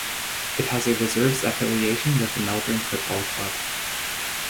It has a reserves affiliation with the Melbourne Football Club.